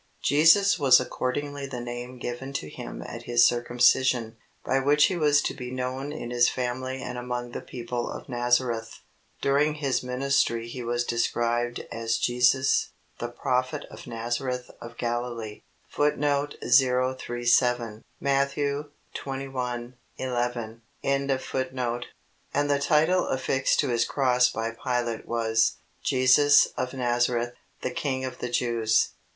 "Jesus" was accordingly the name given to Him at His circumcision, by which He was to be known in His family and among the people of Nazareth. During His ministry He was described as "Jesus, the prophet of Nazareth of Galilee"; and the title affixed to His cross by Pilate was "Jesus of Nazareth, the King of the Jews."